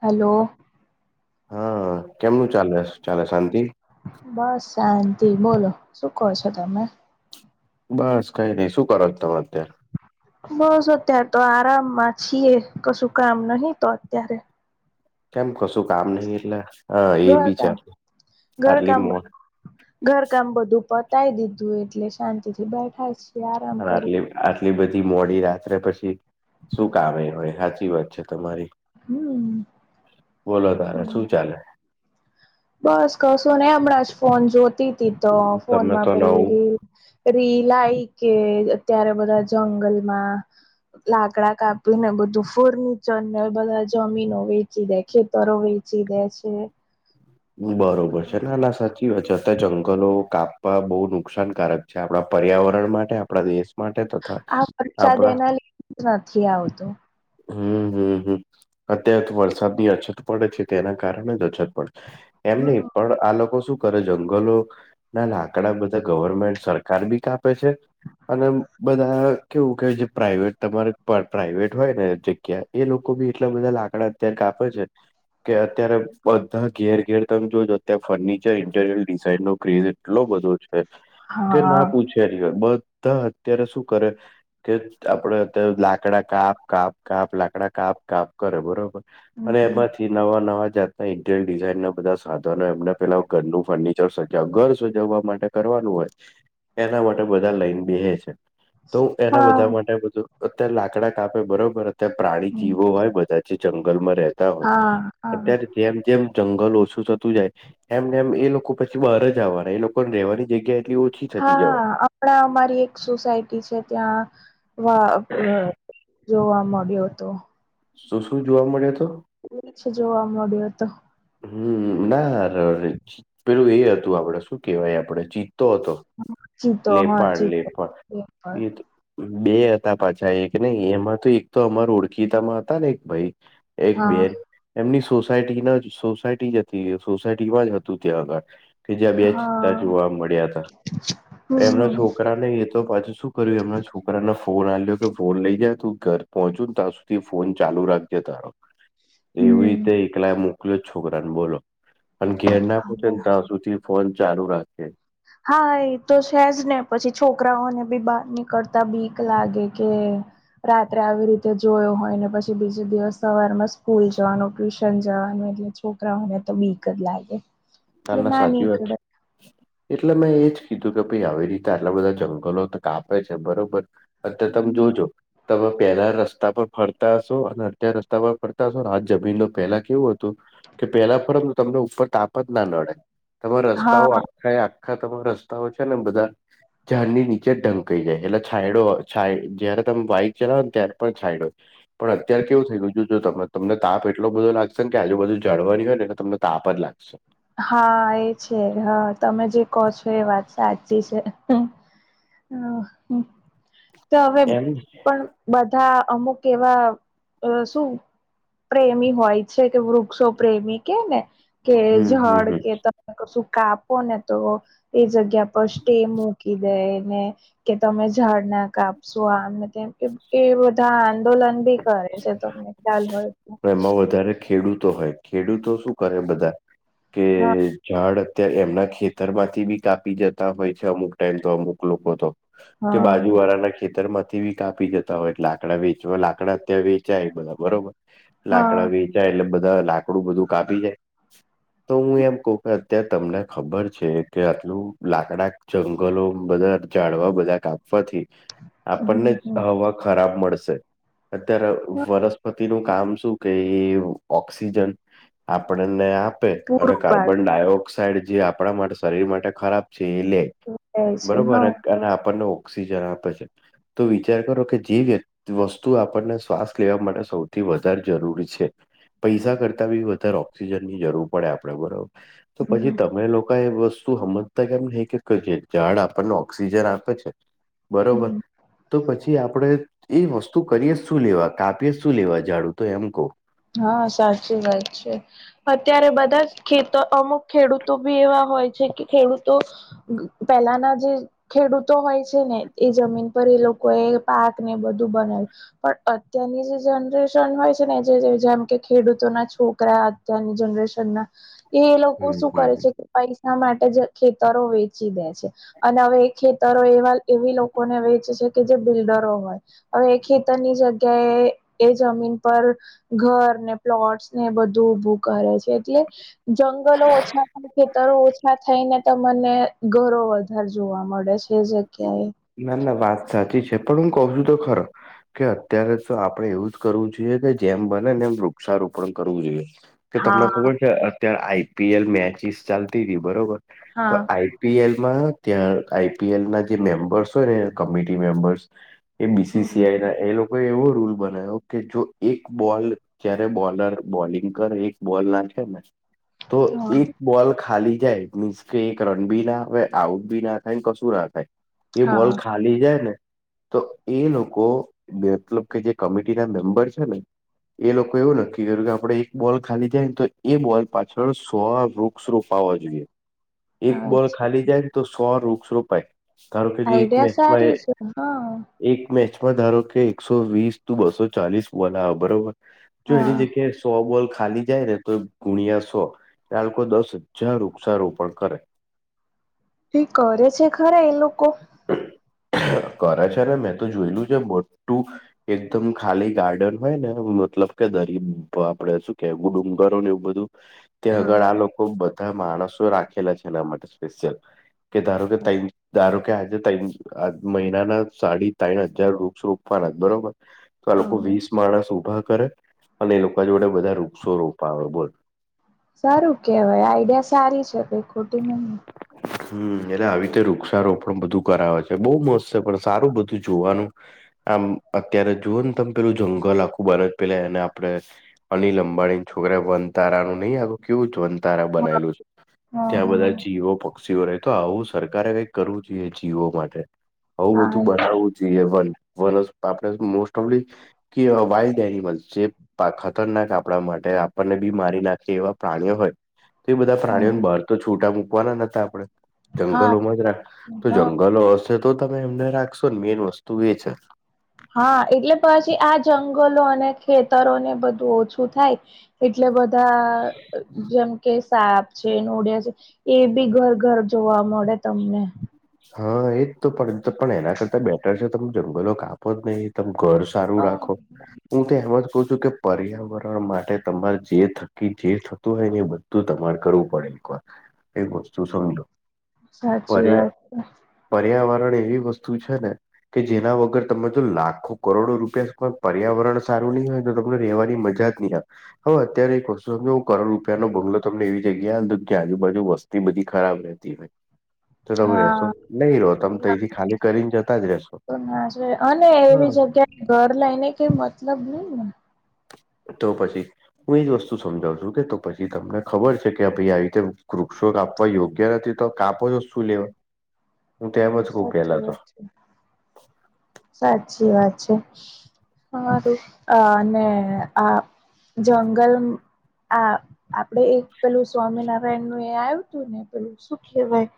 Hello હા કેમનું ચાલે ચાલે શાંતિ? બસ શાંતિ બોલો શું કો છો તમે? બસ કઈ નઈ શું કરો તમે અત્યારે બસ અત્યારે તો આરામમાં છીએ કશું કામ નહી તો અત્યારે. કેમ કશું કામ નહિ એટલે હ એ બી છે ઘરકામ આટલી ઘરકામ મોટી ઘરકામ બધું પતાય દીધું એટલે શાંતિ થી બેઠા છે. પણ આટલી આટલી બધી મોડી રાત્રે પછી શું કામે હોય હાચી વાત છે તમારી. હમ બોલો તારે શું ચાલે? બસ કશું ને હમણાં જ ફોન જોતી તી તો ફોન તમે માં તો પેલી નવું રીલ રીલ આઈ કે અત્યારે બધા જંગલમાં લાકડા કાપી ને બધું ફર્નિચર ને બધા જમીનો વેચી દેે તરો વેચી દે છે બરોબર છે ના ના સાચી વાત છે અત્યારે જંગલો કાપવા બહુ નુકસાનકારક જે આપણા પર્યાવરણ માટે આપણા દેશ માટે તથા આ વરસાદ આપણા એના લીધે જ નથી આવતો. હ્મ હ્મ હ્મ અત્યારે તો વરસાદની અછત પડે છે તેના કારણે જ અછત પડે એમની હમ, પણ આ લોકો શું કરે જંગલો ના લાકડા બધા ગવર્મેન્ટ સરકાર બી કા હશે અને બધા કેવું કે જે પ્રાાઈવેટ તમારે પ્રાાઈવેટ હોય ને જગ્યા, એ લોકો બી એટલા બધા લાકડા ત કાપે છે કે અત્યારે તા ઘેર ઘેર તમે જોજો અત્યારે ફર્નિચર ઇન્ટેરિયર ડિઝાઇન નો ક્રેઝ એટલો બધો છે કે ના હા. પૂછે હોય બધા અત્યારે શું કરે કે આપડે અત્યારે લાકડા કાપ કાપ કાપ લાકડા કાપ કાપ કરે બરોબર અને હમ, એમાંથી નવા નવા જાત ડિઝાઇન ના બધા સાધનો એમને પેલા ઘરનું ફર્નિચર સજાવવા ઘર સજવવા માટે કરવાનું હોય એના માટે બધા લઈન બેહે છે. તો હું એના હા. બધા માટે બધું અત્યારે લાકડા કાપે બરોબર તે પ્રાણી હમ, જીવો હોય બધા જે જંગલમાં રેહતા હોય હા હા અત્યારે જેમ તેમ જંગલ ઓછું થતું જાય એમ ને એમ એ લોકો પછી બહાર જ આવવાના એ લોકોને રેહવાની જગ્યા એટલી ઓછી થતી જવાય હા આપણા અમારી એક સોસાયટી છે ત્યાં જોવા મળ્યો હતો. શું શું જોવા મળયો તો? રીંછ જોવા મળ્યો હતો હમ્મ ના ર રે પેલું એ હતું આપડે શું કેવાય આપડે ચીતો હતો. ચીતો હા લેપાડ ચીતો લેપાડ એ તો બે હતા પાછા એક નઈ એમાં તો એક તો અમાર ઓળખીતામાં હતા ને એક ભાઈ એક હા બેન, એમની સોસાયટી ના જ સોસાયટી જ હતી સોસાયટીમાં જ હતું ત્યાં આગળ. કે જ્યાં બે ચિત્તા હા જોવા મળ્યા હતા. એમના હમ છોકરા ને એ તો પાછુ શું કર્યું એમના છોકરાને ફોન આલયો કે ફોન લઈ જાય તું ઘર પહોંચુ ને ત્યાં સુધી ફોન ચાલુ રાખજે તારો [inaudible] એવી હમ રીતે એકલા મોકલ્યો છોકરાને બોલો પણ ઘેર ના પોછ હા ત્યાં સુધી ફોન ચાલુ રાખશે હા એ તો છેજ ને પછી છોકરાઓને બી બહાર નીકળતા બીક લાગે કે રાત્રે આવી રીતે જોયો હોય ને પછી બીજ દિવસ સવાર માં સ્કૂલ જવાનું ટ્યુશન જવાનું એટલે છોકરાઓને તો બીક જ લાગે. ના એટલે ના સાચી વાત છે. નીકળે એટલે મેં એજ કીધું કે ભાઈ આવી રીતે આટલા બધા જંગલો તો કાપે છે બરોબર અત્યારે તમે જોજો તમે પહેલા રસ્તા રસ્તા પર ફરતા હશો અને અતાર રસ્તા પર ફરતા હશો આ જમીન ન પહેલા કેવું હતું? કે પેલા ફરક તો તમને ઉપર તાપ જ ના નડે તમામે રસ્તાઓ, હા કઈ આખા તમા રસ્તાઓ છે ને બધા ઝરની નીચે ઢંકાઈ જાય એટલે છાયડો જય્યારે તમે વાઈક ચલાવો ને ત્યારે પણ છાયડોય પણ અત્યારે કેવું થઈ ગયું છે જો ત તમને તાપ એટલો બધો લાગશે કે આજુધુ જાળવાની હોય ને તમને તા પર લાગશે. હા એ છે હા તમે જે કહો છો એ વાત સાચી છે. હ તો હવે એમ પણ બધા અમુક એવા શું? પ્રેમી હોય છે કે વૃક્ષો પ્રેમી કે ને કે હમ હમ જળ કે હમ સુ કાપો ને તો એ જગ્યા પર સ્ટે મૂકી દેને, કે તમે ઝાળ ના કાપશો આમ એ બધા આંદોલન બી કરે છે તમને ખ્યાલ હોય? એમાં વધારે ખેડૂતો હોય ખેડૂતો શું કરે બધા કે હા ઝાડ અત્યારે એમના ખેતર માંથી બી કાપી જતા હોય છે અમુક ટાઈમ તો અમુક લોકો તો કે હા બાજુવાળાના ખેતર માંથી બી કાપી જતા હોય એટલેાકડા વેચવા લાકડા ત્યાં વેચાય બધા બરોબર હા લાકડા વેચાય એટલે બધા લાકડું બધું કાપી જાય. તો હું એમ કહ કે અત્યારે તમને ખબર છે કે આટલું લાકડા જંગલો બધા જાડવા બધા કાપવાથી હમ આપણને હમ હવા ખરાબ મળશે. અત્યારે વનસ્પતિ નું કામ શું? કેઈ ઓક્સિજન આપણને આપે અને પૂરું પાડ કાર્બન ડાયોક્સ ઓક્સાઇડ જે આપણા માટે શરીર માટે ખરાબ છે એ લે, જાય છે બરોબર હા અને આપણને, ઓક્સિજન આપે છે તો વિચાર કરો કે જે વ્ય વસ્તુ વસ્તુ આપણને શ્વાસ લેવા માટે સૌથી વધારે જરૂરી છે. પૈસા કરતા બી વધારે ઓક્સિજન ની જરૂર પડે આપડે બરોબર તો પછી હમ તમે લોકો એ વસ્તુઓ તું સમમજતા કેમને હ? ઝાડ આપણને ઓક્સિજન આપે છે બરોબર હમ તો પછી આપડે એ વસ્તુ કરીએ શું લેવા કાપીએ શું લેવા ઝાડુ તો એમ કહ? હા સાચી વાત છે અત્યારે બધા જ ખેત અમુક ખેડૂતો બી એવા હોય છે કે ખેડૂતો પહેલાના જે, ખેડૂતો હોય છે ને એ જમીન પર એ લોકો એ પાક ને બધું બનાવ્યું. પણ અત્યારની જે જનરેશન હોય છે ને, જેમ કે ખેડૂતોના છોકરા અત્યારની જનરેશન ના, એ એ લોકો હમ શું કરે હમ છે કે પૈસા માટે જ ખેતરો વેચી દે છે. અને હવે ખેતરો એવા એવી લોકોને વેચે છે કે જે બિલ્ડરો હોય. હવે ખેતરની જગ્યાએ એ જમીન પર ઘર ને પ્લોટસ ને એ બધું ભું કરે છે એટલે જંગલો ઓછા ખેતરો ઓછા થઈ ને તમને ઘરો વધાર જોવા મળે છે જગ્યાએ. ના ના વાત સાચી છે પણ હું કઉ છું તો ખરો, કે અત્યારે તો આપડે એવું જ કરવું જોઈએ કે જેમ બને ને એમ વૃક્ષારોપણ કરવું જોઈએ. કે તમને હા ખબર છે અત્યારે આઈપીએલ મેચિસ ચાલતી હતી બરોબર. તો હા આઈ આઈપીએલ માં ત્યાં આઈપીએલ ના જે મેમ્બર્સ હોય ને કમિટી મેમ્બર્સ એ હમ બીસીસીઆઈ ના એ લોકોએ એવો રૂલ બનાવ્યો કે જો એક બોલ જય્યારે બોલર બોલિંગ કરે એક બોલ ના છે ને તો હા એક બોલ ખાલી જાય મીન્સ કે એક રન બી ના આવે આઉટ બી ના થાય કશું ના થાય. એ બોલ હા ખા લી જાય ને, તો એ લોકો મતલબ કે જે કમિટી ના મેમ્બર છે ને એ લોકો એવું નક્કી કર્યું કે આપડે એક બોલ ખાલી જાય ને તો એ બોલ પાછળ સો વૃક્ષ રોપાવા જોઈએ એક બોલ અચ્છા ખાલી જાય ને તો સો વૃક્ષ રોપાય. ધારો કે જે એક આઈડિયા મેચમાં એ સારી છે હા એક મેચમાં ધારો કે એકસો વીસ ત બસો ચાલીસ બોલ આવે બરોબર. જો હા એની જગ્યાએ સો બોલ ખાલી જાય ને તો ગુણ્યાસો એ લોકો દસ હજાર વૃક્ષારોપણ કરે. એ કરે છે ખરા એ લોકો? કરે છે ને મેં તો જોયેલું છે બટુ એકદમ ખાલી ગાર્ડન હોય ને મતલબ કે દરી આપડે શું કેવું ડુંગરો ને એવું બધું. [inaudible] ત્યાં હા આગળ આ લોકો બધા માણસો રાખેલા છે એના માટે સ્પેશિયલ કે ધારો કે ધારો કે આજે ત આ મહિનાના સાડી ત્રણ હજાર વૃક્ષ રોપવાના જ બરોબર. તો આ હા લોકો હ વીસ માણસ ઉભા કરે અને એ લોકો જોડે બધા વૃક્ષો રોપાવે બોલ. સારું કેવાય આઈડિયા સારી છે કઈ ખોટી નઈ. [inaudible] હમ એટલે આવી રીતે વૃક્ષારોપણ બધું કરાવે છે બહુ મસ્ત છે પણ સારું બધું જોવાનું આમ અત્યારે જોુ તમ પેલું જંગલ આખું બને પેલા એને આપડણે અનિલ અંબાણી છોકરા વનતારા નું નહીં આગ કેવું જ વનતારા હા બનાલું છે. હા ત્યાં હા બધા [inaudible] પક્ષીઓ રેતો આવું સરકારે કઈક કરવું જોઈએ જીવો માટે. અવું બધું હા એ બનાવવું જોઈએ વન વનસઆપણે મોસ્ટ ઓફલી કે વાઇલ્ડ એનિમલ છે ખતરનાક આપણા માટે આપણને બી મારી નાખી એવા પ્રાણીઓ હોય. તો એ બધા પ્રાણીઓને બહાર તો છૂટા મૂકવાના નતા આપડણે હા જંગલોમાં જ રાખ, તો હા જંગલો હશે તો તમે એમને રાખશો ને, મેન વસ્તુ એ છે. હા એટલે પછી આ જંગલો અને ખેતરોને બધું ઓછું થાય એટલે બધા જેમ કે સાપ છે, નોડિયા છે એ બી ઘર-ઘર જોવા મળે તમને. હા એજ તો પણ પણ એના કરતા બેટર છે, તમે જંગલો કાપો જ નહીં. તમે ઘર સારું હા, રાખો હું તો એમ જ કહ છું કે પર્યાવરણ માટે તમારે જે થકી જે થતું હોય ને એ બ તું તમારે કરવું પડે એક વાર, એક વસ્તુ સમજો સાચી પર્યા વાત છે. પર્યાવરણ એવી વસ્તુ છે ને કે જેના વગર તમે જો લાખો કરોડો રૂપિયા પર્યાવરણ સારું નહી હોય તો તમને રહેવાની મજા [unintelligible] હવે અત્યારે કશું સમજ હું કરોડ રૂપિયા નો બંગલો તમને એવી જગ્યા હતો કે આજુબાજુ વસ્તી બધી ખરાબ રહેતી. હા [unintelligible] [inaudible] નહી રહો તમે તો એથી ખાલી કરીને જતા જ રહેશો. તો ના છે અને એવી હા. જગ્યાએ ઘર લઈને કઈ મતલબ ની ને. તો પછી હું એજ વસ્તુ સમજાવ છું કે તો પછી તમને ખબર છે કે ભાઈ આવી રીતે વૃક્ષોક આપવા યોગ્ય નથી તો કાપો છો શું લેવા, હું તો હમ, એમજ કઉ સાચી પહેલા તો વાત છે સાચી વાત છે હારુ અને આ જંગલ આ આપણેે એક પેલું સ્વામિનારાયણ નું એ આવ્યું હતું ને પેલું શું કહેવાય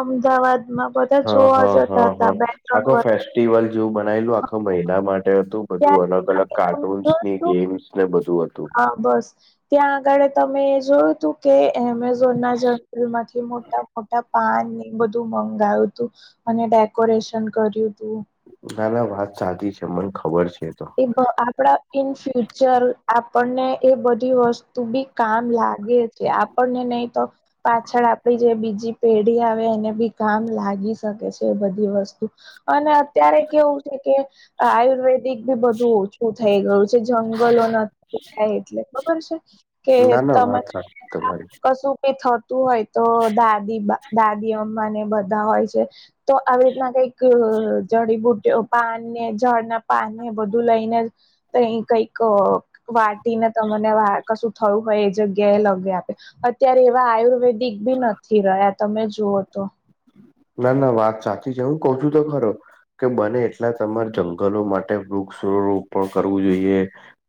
અમદાવાદમાં બધા જોવા જતા હતા બે ત્રણ વર્ષ. લ જેવું બનાયલું આખું મહિલા માટે હતું બધું અલગ અલગ કાર્ટૂન્સ ની ગેમ્સ ને બધું હતું. હા બસ ત્યાં આગળ તમે જોયું તું કે એમ [inaudible] મોટા મોટા પાનને બધું મંગાવું તું અને ડેકોરેશન કર્યું તું. ના ના વાત સાચી છે, મને ખબર છે એ તો. આપણા ઇન ફ્યુચર આપણને એ બધી વસ્તુ બી કામ લાગે છે આપણને નહી તો પાછળ આપડી જે બીજી પેઢી આવે એને બી કામ લાગી શકે છે એ બધી વસ્તુ. અને અત્યારે કેવું છે કે આયુર્વેદ બી બધું ઓછું થઈ ગયું છે જંગલો નથી થાય એટલે ખબર છે? કે ના ના તમે વાત સાચી તમારી. કશું કઈ થતું હોય તો દાદી દાદી અમ્મા ને બધા હોય છે. તો આવી રીતના કઈક જડીબુટો, પાનને ઝાળના પાનને બધું લઈને. તઈ કઈક વાટીને તમને વાર કશું થયું હોય એ જગ્યાએ લગે આપે, અત્યારે એવા આયુર્વેદિક ભી નથી રહ્યા. તમે જુઓ તો ના, ના વાત સાચી છે. હું કઉ છું તો ખરો કે બને એટલા તમારે જંગલો માટે વૃક્ષ રોપણ કરવું જોઈએ.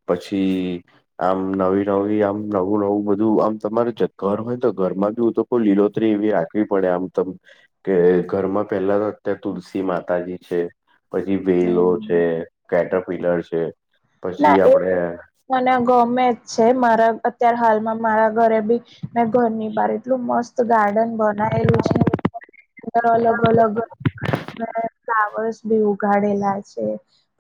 પછી આમ નવી-નવી આમ નવું-નવું બધું આમ તમારે [unintelligible] લીલોતરી એવી રાખવી પડે આમ તમ. કે ઘરમાં પહેલા તો અત્યારે તુલસી માતાજી છે. પછી વેલો હમ છે, કેટરપિલર છે, ના પછી એ આપડે મને આ ગમે જ છે, મારા અત્યારે હાલમાં મારા ઘરે બી મેં ઘરની બાર એટલું મસ્ત ત ગાર્ડન બનાયેલું છે. અલગ-અલગ [inaudible] ફ્લાવર્સ બી ઊગ ગાડેલા છે.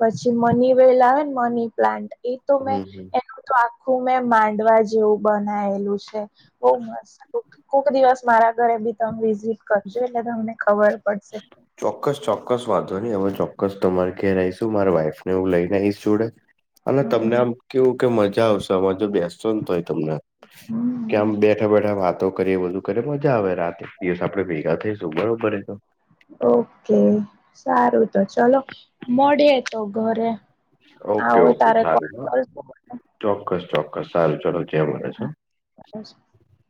પછી મની વેલા આવેન મની પ્લાન્ટ એ તો મેં હમ હમ એનું તો આખું મેં માંડવા જેવું બનાયેલું છે. બહુ મસ્ત. કોક કોક દિવસ મારા ઘરે બી તમે વિઝિટ કર જો એટલે તમને ખબર પડશે. ચોક્કસ-ચોક્કસ, વાંધો નહીં. હવે ચોક્કસ તમારે ઘેર આવીશ હું, મારા વાઈફ ને હું લઈને આઈશ જોડે. અને તમને હમ આમ કેવું કે મજા આવશે અમાં જો બેસજો જ ને તો હોય તમને. કે આમ હમ બેઠા-બેઠા વાત તો કરીએ, બધું કરીએ, મજા આવે રાતે. એક દિવસ આપડે ભેગા થઈશું બરોબર એ તો. ઓકે, સારું તો ચલો, મળીએ તો ઘરે. આવો તારે કોલ કરજો મને. ચોક્કસ-ચોક્કસ, સારું ચાલો [unintelligible] [inaudible]